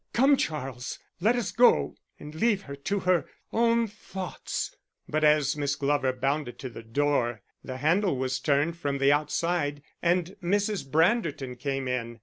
Come, Charles, let us go, and leave her to her own thoughts." But as Miss Glover bounded to the door the handle was turned from the outside and Mrs. Branderton came in.